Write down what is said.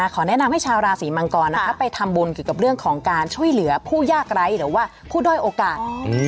แนะนำให้ชาวราศีมังกรไปทำบุญเกี่ยวกับเรื่องของการช่วยเหลือผู้ยากไร้หรือว่าผู้ด้อยโอกาส